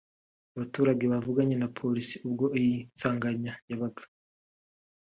Abaturage bavuganye na Polisi ubwo iyi nsanganya yabaga